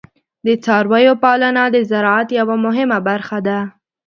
د څارویو پالنه د زراعت یوه مهمه برخه ده.